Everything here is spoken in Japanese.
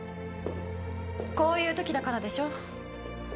こういう時だからでしょ。